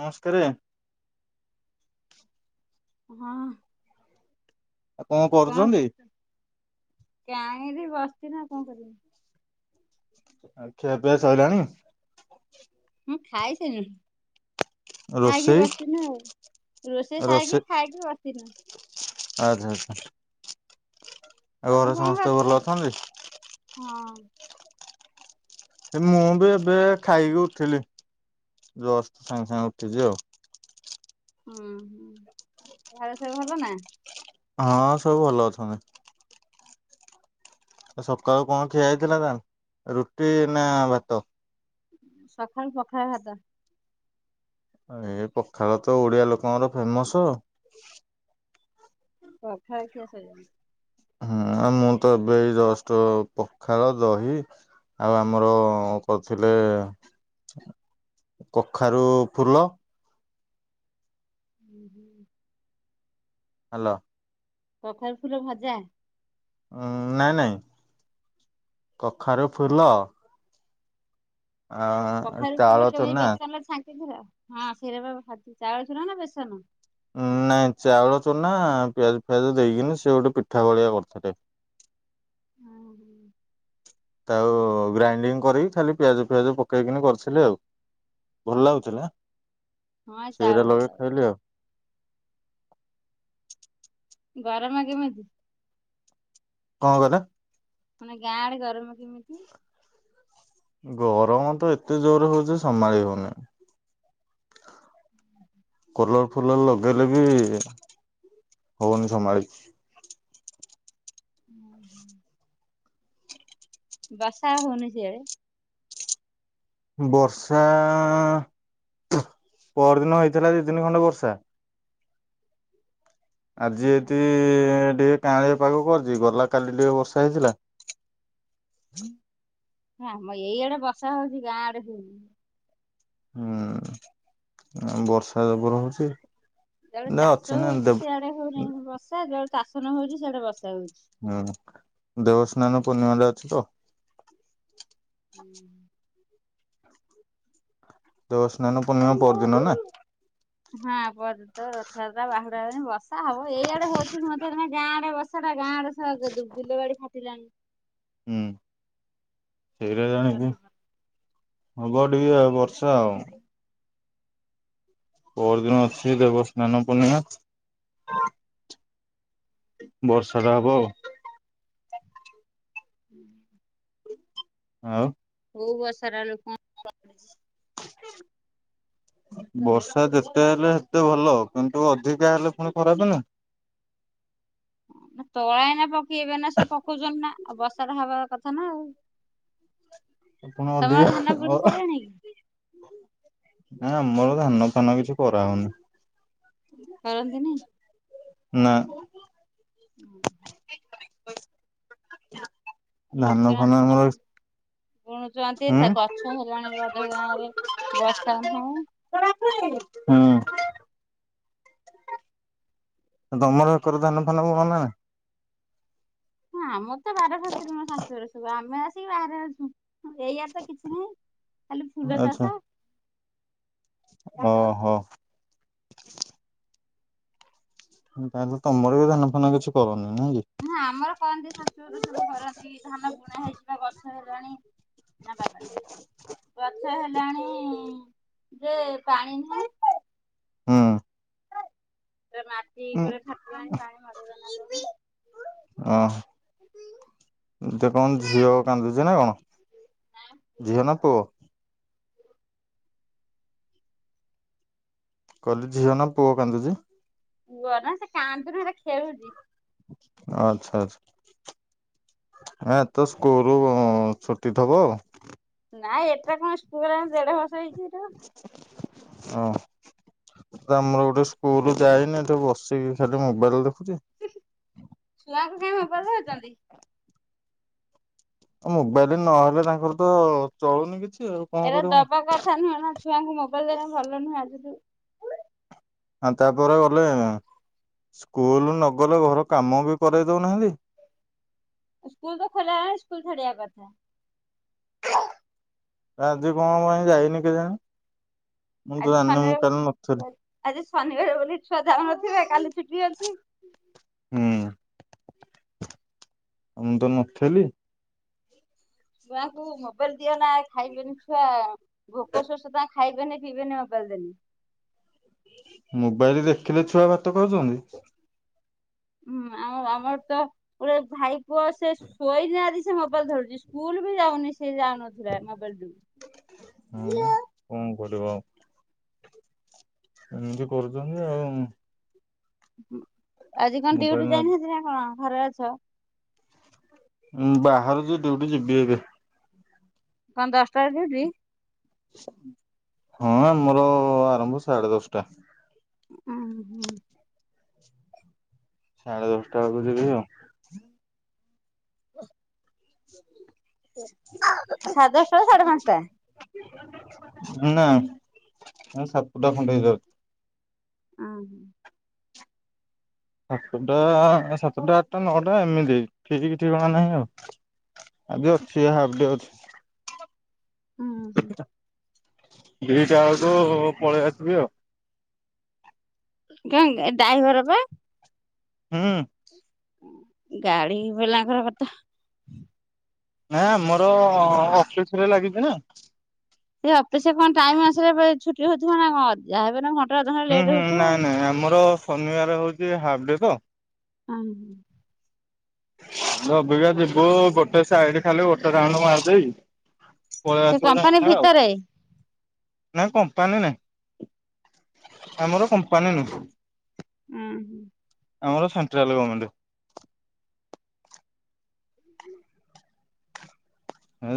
ନମସ୍କାରେ। ହଁ। ଆଉ କଣ କରୁଛନ୍ତି? କରଛ? କାଏଁ ରେ ବସିଛି ନା କଣ କରିବି। ଆ ଖିଆପିଆ ସଇଲାଣି? ମୁଁ ଖାଇସାଇଲୁଣୁ। ଖାଇକି ରୋଷେଇ ବସିନୁ ଆଉ, ରୋଷେଇ ସାଇକି ଖାଇକି ବସିନୁ। ଆ ଝା ଝା। ଆ ତମେ ଘରେ କଣ ସମସ୍ତେ କରୁଛ? ଭଲ ଅଛନ୍ତି? ହଁ ଏ ମୁଁ ବି ଏବେ ଖାଇକି ଉଠଲି। ଜଷ୍ଟ ସାଙ୍ଗେ ସାଙ୍ଗେ ଉଠିଛି ଆଉ। ହୁଁ ହୁଁ ଘର ସବ ଭଲ ନା? ହଁ ସବୁ ଭଲ ଅଛନ୍ତି। ସକାଳୁ କଣ ଖିଆ ହେଇଥିଲା ତା ରୁଟି ନା ଭାତ? ସଖାଳୁ ପଖାଳ ଭାତ। ଏ ପଖାଳ ତ ଓଡିଆ ଲୋକଙ୍କର ଫେମସ। ପଖାଳ ଖିଆ ସଇଲାଣି। ହୁଁ ଆ ମୁଁ ତ ଏବେ ଏଇ ଜଷ୍ଟ ପଖାଳ, ଦହି ଆଉ ଆମର କରଥିଲେ? କଖାରୁ ଫୁଲ, ହୁଁ ହୁଁ। ହ୍ୟାଲୋ। କଖାରୁ ଫୁଲ ଭଜା। ଉଁ ନାଇଁ ନାଇଁ କଖାରୁ ଫୁଲ ଆ କଖାରୁ ଫୁଲ ଚାଉଳ କେମିତି ଚୁନା ବେସନ ଲେ ଛାଙ୍କିଥିଲ? ହଁ, ସେରାପା ଭା ଚାଉଳ ଚୁନା ନା ବେସନ? ନାଇଁ ଚାଉଳ ଚୁନା ପିଆଜ ଫିଆଜ ଦେଇକିନି, ସେ ଗୋଟେ ପିଠା ଭଳିଆ କରିଥିଲେ। [inaudible] ଓହୋ। ଆଉ ଗ୍ରାଇଣ୍ଡିଙ୍ଗ କରିକି, ଖାଲି ପିଆଜ ଫିଆଜ ପକେଇକିନି କରିଥିଲେ ଆଉ। ଭଲ ଲାଗୁଥିଲା। ହଁ ଏଇ ସେଇରା ଚାଉଳରେ କର। ଲଗେଇକି ଖାଇଲି ଆଉ। ବାରମା କେମିତି? କଣ କଲ? ମାନେ, ଗାଁ ଆଡେ ଗରମ କେମିତି? ଗରମ ତ ଏତେ ଜୋରେ ହଉଛି, ସମାଳି ହଉନି। କୁଲର ଫୁଲର ଲଗେଇଲେ ବି ହଉନି ସମାଳି। ହୁଁ ହୁଁ। ବାସା ହଉନି ସିଆଡେ? ବର୍ଷା-ଆ ପରଦିନ ହେଇଥିଲା ଦିଦି ନ ଖଣ୍ଡେ ବର୍ଷା। [inaudible] ଆଜି ଓହୋ। ଏତି ଡ଼ିଏ କାଁଳିଆ ପାଗ କରିଛି। ଗଲା କାଲି ଟିକେ ବର୍ଷା ହେଇଥିଲା। ହଁ, ମ ଏଇଆଡେ ବସା ହଉଛି ଗାଁ ଆଡେ ହଉନି। ହୁଁ ବର୍ଷା ଜବର ହଉଛି। ଯେତେବେଳେ ନା ଅଛି ଚାଷ ନା ହଉଛି, ଦେବ ସେଆଡେ ହଉନାହିଁ ବଷା ଯେତେବେଳେ ଚାଷ ନହଉଛି, ସେଆଡେ ବଷ ହୁଁ, ଦେବସ୍ନାନ ପୂର୍ଣ୍ଣିମାଟା ଅଛି ତ ହୁଁ ଦେବ ସ୍ନାନ ପୂର୍ଣ୍ଣିମା ପରଦିନ ନା। ହଁ ପଦିତ ରଥଯାତ୍ରା ବାହୁଡା ବର୍ଷା ହବ ଏଇଆଡେ ହଉଛି ମୁଁ ନା ଗାଁ ଆଡେ ବସ ସେଟା ଗାଁରେୁ ବିଲ ବାଡି ଫାଟିଲାଣି। ହୁଁ ସେଇଟା ଜାଣିକି ଚାଶ ହଜାର ହବ ଟିକେ ଆଉ ବର୍ଷା ଆଉ ପରଦିନ ଅଛି ଦେବ ସ୍ନାନ ପଣିଆ ବର୍ଷା ଦେ ହବ ହୁଁ ହଉ ହୋ ବତ ସାରା ଲୋକଛି [inaudible] ବର୍ଷା ଯେତେ ହେଲେ ସେତେ ଭଲ କିନ୍ତୁ ଅଧିକା ହେଲେ ପୁଣି ଖରାପ ନା ତୋଳାଇନା ପକେଇବେ ନା ସବ ପକଉଛନ୍ତି ନା ଆଉ ବର୍ଷାଟା ହବା କଥା ନା ଆଉ ପଣ ଦ ତମର ଧାନ ବୁଣି ସାଇଲାଣି କି ଆମର ଧାନ ଫାନ କିଛି କରାହଉନି କରନ୍ତିନି ନା ହୁଁ ଧାନ ଫାନ ମୂଳ ଶୁଣୁଛନ୍ତି ତା ଗଛ ହେଲାଣି ରଧ ଗାଁ ରେ ବର୍ଷା ନୁହେଁ ହୁଁ ତମରକର ଧାନ ଫାନ ହ ଆମର ତ ବାର ଫସରେ ମ ଶାଶୁର ସବୁ ଆମେ ଆସିକି ବାହାରେ ଅଛୁ। ଏଇଆାର ତ କିଛି ନାହିଁ ଖାଲି ନାଇଁ ଫୁଲ ଆଚ୍ଛା। ଚାଷ। ଓହୋ। ତାହେଲେ ତମର ବି ଧାନ ଫାନ କିଛି କରନି ନାଇଁ କି ନା ଆମର କହନ୍ତି ଶାଶୁରୁ ସବୁ କରରନ୍ତି ଧାନ ବୁଣା ହେଇଯିବା ଗଛ ହେଲାଣି। ନା ବାବା। ଷ ହେଲାଣି ଯେ ପାଣି ନାହିଁ। ହଁ। ମାଟି କରେ ାକିଲା ଆଣି ପାଣି ମରେଇଦ। ଓୋ ଟ କଣ ଝିଅ କାନ୍ଦୁଛି ନା କଣ? ଝିଅ ନା ପୁଅ? କହିଲେ ଝିଅ ନା ପୁଅ କାନ୍ଦୁଛି। କୁହ ନା ସେ କାନ୍ଦୁନି ସେଟା ଖେଳୁଛି। ଆଚ୍ଛା ଆଚଛା। ଏ ତ ସ୍କୁଲରୁ ଛୁଟି ଥବ। ନାଇଁ ଏଟା କଣ ସ୍କୁଲ ଆ ଦେଢ ବର୍ଷ ହେଇଛି ଏଟା ହଁ ଆମର ଗୋଟେ ସ୍କୁଲ ଯାଇନିେ ବସିକି ଖଲି ମୋବାଇଲ ଦେଖୁଛି। ଛୁଆକୁ କାଇଁ ଭଲ ହଉଛନ୍ତି। ଆ ମୋବାଇଲରେ ନହେଲେ ତାଙ୍କର ତ ଚଳୁନି କିଛି। ଆଉ କଣ ଏଟା କରିବୁ? ଦବା କଥା ନୁହେଁ ନା ଛୁଆଙ୍କୁ ମବାଇଲ ଦେବା ଭଲ ନୁହଁ ଆଜିଠୁ। ଆ ତାପରେ ଗଲେ ସ୍କୁଲ ନଗଲେ ଘର କାମ ବି କରଇ ଦଉନାହାନ୍ତି। ସ୍କୁଲ ତ ଖୋଲା ହେଲା ସ୍କୁଲ ଛାଡ଼ିଆ କଥା। ରାଜ କଣ ପାଇଁ ଯାଇନି କେଜାଣ। ଆଜି ଶନିବାର ଆଜି ଶନିବାର ବୋଲି ଛୁଆ ଯାଉନଥିବା କାଲି ଛୁଟି ଅଛି। ମୁ ମୁଁ ତ ନଥିଲି। ଛୁଆଙ୍କୁ ମୋବାଇଲ ଦିଅ ନା ଖାଇବେନି ଛୁଆ ଭୋକ ଶଷ ତା ଖାଇବେନି ପିଇବେନି ମୋବାଇଲ। ଚାଲ ଦିନି। ମୋବାଇଲରେ ଦେଖିଲେ ଛୁଆ ଭାତ କରହୁଛନ୍ତି। ହୁଁ ଆମ ଆମର ତ ଗୋଟେ ଭାଇ ପୁଅ ସେ ଶୋଇନ ଆଜି ସେ ମୋପାଲ ଧରୁଛି ସ୍କୁଲ ଯାଉନି ସେ ଯଥଥିଲା ମବଲ ଦ। ହଁ ବା କଣ କରିବ ଏମିତି କରୁଛନ୍ତି ଆଉ। ଆଜି କଣ ମୋବାଇଲ ଡିଉଟି ନ ଯାଇନାହାନ୍ତି ନା କଣ ଘରେ ଅଛ। ବାହାରୁ ଯ ଡଉଠି ଯିବି ଏବେ। କଣ ଦଶଟା ରେ ଡିଉଟି? ହଁ ଆମୋର ଆରମ୍ଭ ସାଢେ ଦଶଟା। ଉଁ ହୁଁ। ସାଢେ ଦଶଟା ବେଳକୁ ଯିବି ଆଉ। ହ। ହ। ସାଢ଼େ ଦଶଟା ର ସାଢେ ପାଞ୍ଚଟା। ନା ମୁ ସାତୁଟା ଖଣ୍ଡ ହେଇଯାଉଛି। ଓ ହୋ। ସାତଟା ସାତଟା ଆଠଟା ନଅଟା ଏମିତି ଠିକ କିଛି କଣା ନାହିଁ ଆଉ। ଆଜି ଅଛି ହାପ ଡେ ଅଛି। ହୁଁ ହୁଁ। ଦିଟା ବେଳକୁୁ ପଳେଇ ଆସିବି ଆଉ। କଣ ଡାଇଭର ବା। ହୁଁ। ଗାଡି ବଲାଙ୍କର କଥା- ନାଁ ମୋର ଅଫିସ ରେ ଲାଗିଛି ନା। ସେ ଅଫିସ କଣ ଟାଇମ ଆସିଲେ ଛୁଟି ହଉଥିବ ନା କଣ ଯାହା ହେବେ ନା ଘ ହୁଁ ହୁଁ ନାଇଁ ନାଇଁ ଆମର ଶନିବାର ହଉଛି ହାଫ୍ ଡେ ତ ହଁ ହ। ରବିବା ଯିବୁ ଗୋଟେ ସାଇଡ ଖାଲି ଗୋଟେ ରାଉଣ୍ଡ ମାରଦେଇ ସେ ପସା କମ୍ପାନୀ ଆଉ ଭିତରେ। ନା କଣ? ନ ନା ଆମର କପାନୀ ନୁ ହୁଁ ହୁଁ। ଆମର ସେଣ୍ଟ୍ରାଲ ଗଭମେଣ୍ଟ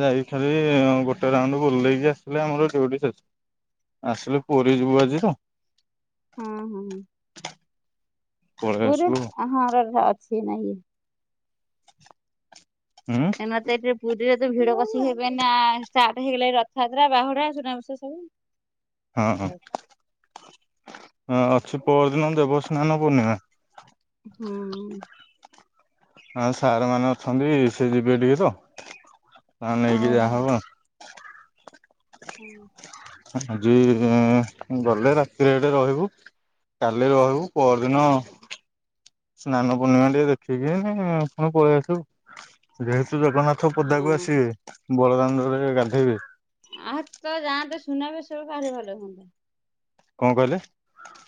ଯାଇକି ଖାଲି ଗୋଟେ ରାଉଣ୍ଡ ବୁଲେଇକି ଆସିଲି ଆମର ଆସିଲୁ ପୀ ଯିବୁ ଆଜି ତ ହୁଁ ହୁଁ। ପଳେଇ ପୁରୀ ଆସିବୁ ହୁଁ ହ ଅଛି ନାହି- ଏମତ ଏରେ ପୁର ରେ ତ ଭିଡ କଷି ହେବେ ନା ଷ୍ଟାର୍ଟ ହେଇଗଲା ରଥଯାତ୍ରା ବାହୁଡା ସୁନା ବଷା ସବୁ ହଁ ହଁ। ହଁ ଅଛି ପରଦିନ ଦେବସ୍ନାନ ପୂର୍ଣିମା ହୁଁ। ହଁ ସାର୍ ମାନେ ଅଛନ୍ତି ସେ ଯିବେ ଟିକେ ତ ତା ନେଇକି ଓହୋ। ଯାହାହବ। ହୁଁ ହୁଁ। ଆଜି ଗଲେ ରାତିରେ ଏଟେ ରହିବୁ। କାଲି ରହିବୁ ପରର ଦିନ ସ୍ନାନ ପୂର୍ଣ୍ଣିମା ଟିକେ ଦେଖିକି ଆଣ ପଳେଇ ଆସିବୁ ଯେତୁ ଜଗନ୍ନାଥ ପଦାକୁ ହଁ ଆସିବେ ବଳଦାଣ୍ଡ ରେ ଗାନ୍ଧେଇବେ ଆଉ ତ ଯାଆନ୍ତେ ସୁୁନାବେଶ ସବୁ ବାହାର ଭଲ ହୁଅନ୍ତା କଣ କହିଲେ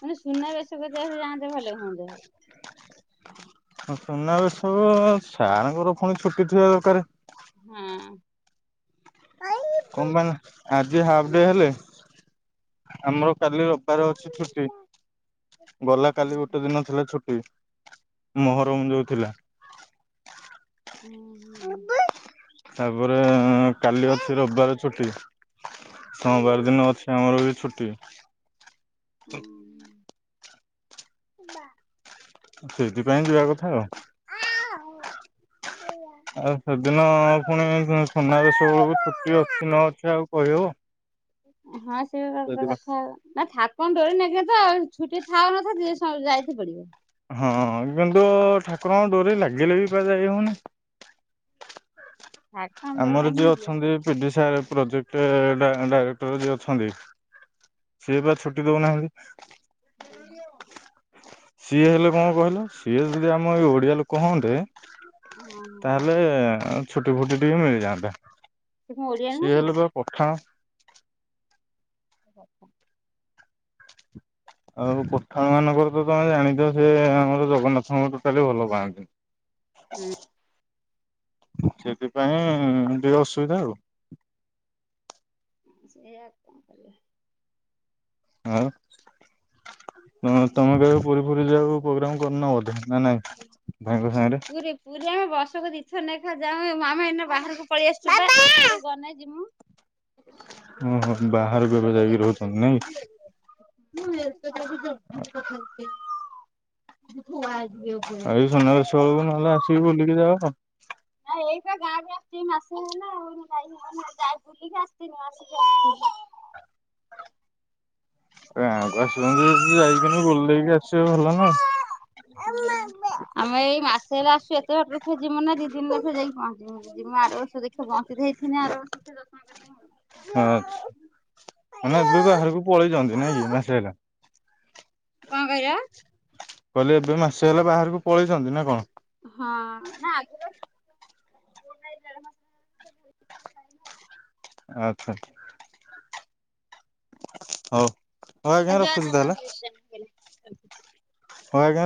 ମାନେ ସୁନାବେସ କରି ଦେହରେ ଯାଆନ୍ତେ ଭଲ ହୁଅନ୍ତତା ସୁନାବେେଶବୁ ସାର୍ଙ୍କର ପୁଣି ଛୁଟି ଥିବା ଦରକାର। ହୁଁ ତାଇ କଣ ପାଇଁ ଆଜି ହା ଡେ ହେଲେ ଆମର କାଲି ରବିବାର ଅଛି ଛୁଟି ଗଲା କାଲି ଗୋଟେ ଦିନ ଥିଲା ଛୁଟି। ମହରମ ଯୋଉଥିଲା ହଁ ତାପରେ କାଲି ଅଛି ରବିବାର ଛୁଟି ସୋମବାର ଦିନ ଅଛି ଆମର ବି ଛୁଟି ବା [unintelligible] ସେଇଥିପାଇଁ ଯିବା କଥା ଆଉ ହୁ [unintelligible] ଆଉ ସେଦିନ ପୁଣି ସୁନାବେଶ ବେଳକୁ ଛୁଟି ଅଛି ନ ଅଛି ଆଉ କହିହବ। ହଁ ସେ ସେଥିପାଇଁ କଥା ନା ଠକ କଣ ଡୋରି ନେକେ ତ ଆଉ ଛୁଟି ଥାଉ ନଥାନ୍ତି ଯାଇତ ପଡିବ ହଁ କିନ୍ତୁ ଠାକୁରଙ୍କ ଡୋରି ଲାଗିଲେ ବି ପା ଯାଇ ହଉନି ଠାକୁରଙ୍କ ଡୋରି ଆମର ଲାଗିଲେ ଯିଏ ଯିବା ଅଛନ୍ତି ପିଡି ସ ପ୍ରୋଜେକ୍ଟ ଡାଇରେକ୍ଟର ଯିଏ ଅଛନ୍ତି ସିଏ ବା ଛୁଟି ଦଉନାହାନ୍ତି ହୁଁ ସିଏ ହେଲେ କଣ କହିଲ ସିଏ ଯଦି ଆମ ଏଇ ଓଡ଼ିଆ ଲୋକ ହୁଅନ୍ତେ ହଁ ହଁ ତାହେଲେ ଛୁଟି ଫୁଟି ଟିକେ ମିଳିଯାଆନ୍ତେ। ସେ କଣ ଓଡିଆ ନୁହଁ ସିଏ କି? ହେଲେ ବା ପଠାଣ ଓ ହ। [unintelligible] ଆଉ ପଠାନ ମାଂକର ମାନଙ୍କର ତ ତମେ ଜାଣିଛ ସେ ଆମର ଜଗନ୍ନାଥଙ୍କର ଭାରିଭଲ ପାଆନ୍ତି। ସେଥିପାଇଁ ଟିକେ ଅସୁବିଧା ଆଉ ସେୟା [unintelligible] ଆଉ। ହ ତମେ କେବେ ପୁରୀ ପୁରୀ ଯାକୁ ପ୍ରୋଗ୍ରାମ କରିନ ବୋଧେ ନାଇଁ ନାଇଁ। ଭାଇଙ୍କ ସାଙ୍ଗରେ ପୁରୀ ପୁରୀ ଆମେ ବସ କରିଛେ। ନେଖ ଯାଉ ମାମା ଏଇ ବାହାରକୁ ପଳେଇ [unintelligible] ଓହୋ ବାହାରକୁବେ ଏ ବେଯାଇକି ରହୁଛନ୍ତି ନାଇଁ। ମୁଁ ଆ [unintelligible] ଆଜିିବ ଆଉ ସୁନାବେସ ବେଳକୁ ନହେଲେ ଆସିକି ବୁଲିକି ଯାଅ। ମାସ ହେଲା ଆଉାଇ ଯାଇ ବୁଲିକି ଆସିନି ଆସିକି। ଗାଁକୁ ଆସୁଛନ୍ତି ଯାଇକିନି ବୁଲ ଦେଇକି ଆସିବ ଭଲ ନା। ଆମେ ଏଇ ମାସ ହେଲା ଆସୁ ଏତେ ବାେ ଯିବୁ ନା ଦି ଦିନରେଖ ଯାଇି ପହଞ୍ଚିିବୁ ଯମୁ ଆର ବର୍ଷ ଦେଖିବା ପହଞ୍ଚି ସେଇିନ ଆର ଆଉ। ଆଉ କଣ ମାନେ କହିଲ? ଏବେ ବାହାରକୁ ପଳେଇଛନ୍ତି ନାଇଁ କି ମାସେ ହେଲା। କନ କହିଲ? କହିଲେ ଏବେ ମାସେ ହେଲା ବାହାରକୁ ପଳେଇଛନ୍ତି ନା କଣ? ହଁ ନା ଆଗ। [unintelligible] ଆଚ୍ଛାଚା। ହଉ। ହଉ ଆଜ୍ଞା ରଖୁଛି ତାହେଲେ [unintelligible] ଆଁ ଆଜ୍ଞା।